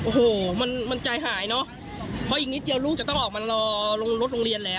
โอ้โหมันมันใจหายเนอะเพราะอีกนิดเดียวลูกจะต้องออกมารอลงรถโรงเรียนแล้ว